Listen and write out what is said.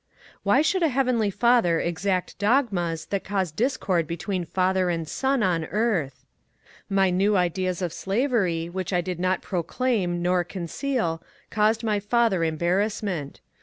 Why should a heavenly Father exact dogmas that cause discord between father and son on earth ? My new ideas on slavery, which I did not proclaim nor conceal, caused my father embarrassment.